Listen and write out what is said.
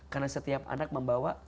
karena setiap anak membawa